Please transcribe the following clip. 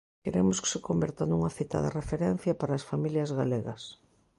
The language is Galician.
Queremos que se converta nunha cita de referencia para as familias galegas.